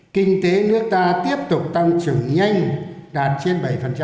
kinh tế nước ta tiếp tục tăng trưởng nhanh đạt trên bảy